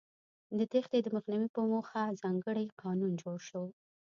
د تېښتې د مخنیوي په موخه ځانګړی قانون جوړ شو.